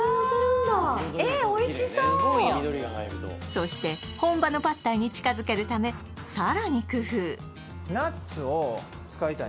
そして本場のパッタイに近づけるためさらに工夫